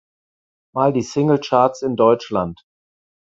Mal die Singlecharts in Deutschland.